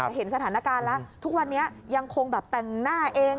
แต่เห็นสถานการณ์แล้วทุกวันนี้ยังคงแบบแต่งหน้าเอง